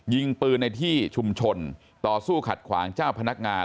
ยิงปืนในที่ชุมชนต่อสู้ขัดขวางเจ้าพนักงาน